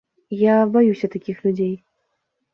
Я баюся такіх людзей.